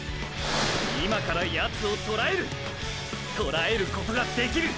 今からヤツをとらえるっとらえることができる！！